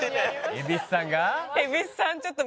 蛭子さんが？